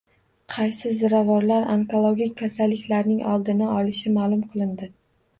Qaysi ziravorlar onkologik kasalliklarning oldini olishi ma’lum qilindi